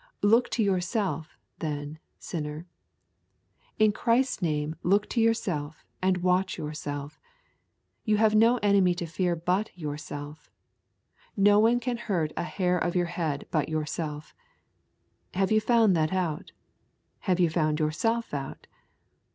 Look to yourself, then, sinner. In Christ's name, look to yourself and watch yourself. You have no enemy to fear but yourself. No one can hurt a hair of your head but yourself. Have you found that out? Have you found yourself out?